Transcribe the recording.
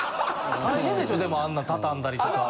大変でしょでもあんなん畳んだりとか。